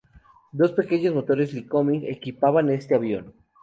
Dos pequeños motores "Lycoming" equipaban este avión.